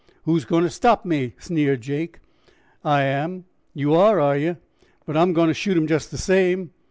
"Who's goin' to stop me?" sneered Jake. "I am." "You are, are you? Well, I'm goin' to shoot him just the same."